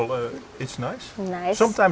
tôi thích món ăn việt nam